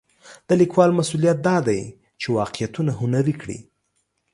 د لیکوال مسوولیت دا دی چې واقعیتونه هنري کړي.